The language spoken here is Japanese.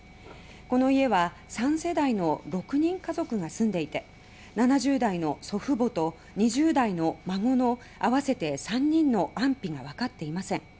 この家は３世代の６人家族が住んでいて７０代の祖父母と２０代の孫の合わせて３人の安否がわかっていません。